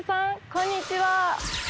こんにちは。